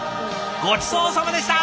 ごちそうさまでした！